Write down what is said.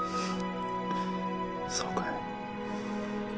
・そうかい？